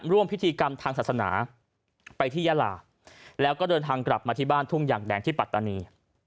ร่วมพิธีกรรมทางศาสนาไปที่ยาลาแล้วก็เดินทางกลับมาที่บ้านทุ่งอย่างแดงที่ปัตตานี